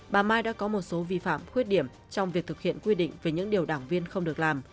bà mai đã có một số vi phạm khuyết điểm trong việc thực hiện quy định về những điều đảng viên không được làm